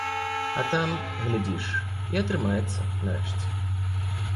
А там, глядзіш, і атрымаецца, нарэшце.